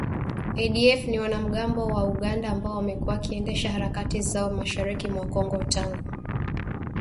ADF ni wanamgambo wa Uganda ambao wamekuwa wakiendesha harakati zao mashariki mwa Kongo tangu miaka ya elfu moja mia tisa tisini na kuua raia wengi